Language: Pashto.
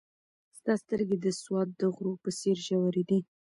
ستا سترګې د سوات د غرو په څېر ژورې دي.